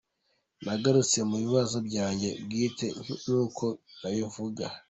Nagarutse mu bibazo byanjye bwite ni ko navuga.